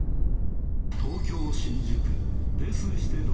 東京・新宿。